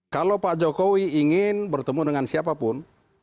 kalau pak jokowi ingin bertemu dengan siapapun